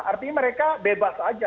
artinya mereka bebas saja